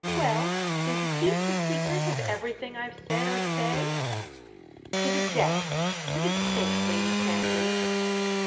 "Well, will you keep the secret of everything I've said or say?" "To the death, to the stake, Lady Sandgate!"